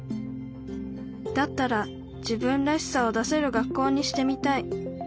「だったら自分らしさを出せる学校にしてみたい」